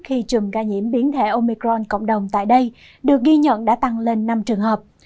khi chùm ca nhiễm biến thể omicron cộng đồng tại đây được ghi nhận đã tăng lên năm trường hợp